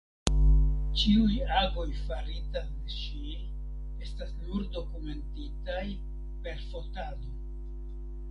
Ĉiuj agoj faritaj de ŝi estas nur dokumentitaj per fotado.